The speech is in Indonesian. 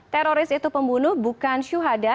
teroris itu pembunuh bukan syuhada